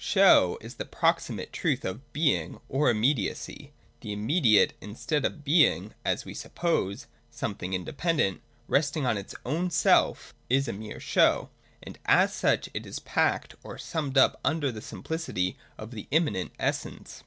Show is the proximate truth of Being or immediacy. The immediate, instead of being, as we suppose, something independent, resting on its own self, is a mere show, and as such it is packed or summed up under the simplicity of the immanent essence.